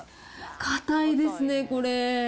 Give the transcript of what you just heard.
硬いですね、これ。